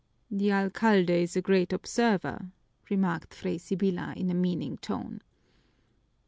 "The alcalde is a great observer," remarked Fray Sibyla in a meaning tone.